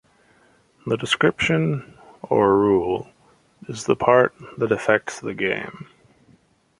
The description, or rule, is the part that affects the game.